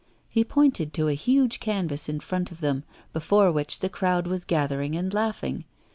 He pointed to a huge canvas in front of them, before which the crowd was gathering and laughing.